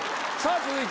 続いて。